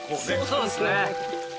そうですね。